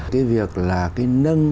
cái việc là cái nâng